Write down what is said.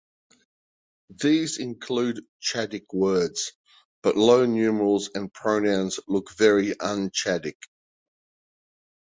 These include Chadic words, but low numerals and pronouns look very un-Chadic.